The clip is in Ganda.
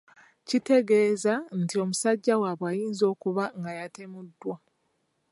Kitegeeeza nti musajja waabwe ayinza okuba nga yatemuddwa.